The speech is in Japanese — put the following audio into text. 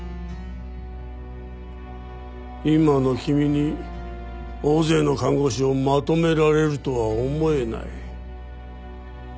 今の君に大勢の看護師をまとめられるとは思えない。